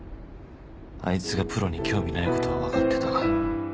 あいつがプロに興味ないことは分かってた。